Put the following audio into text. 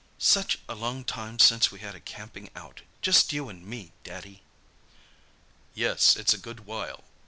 "Such a long time since we had a camping out—just you and me, Daddy." "Yes, it's a good while.